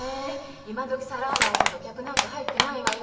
今どき皿洗うほど客なんか入ってないわよ。